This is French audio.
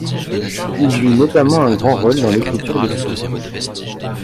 Il joue notamment un grand rôle dans l’écriture de ses discours.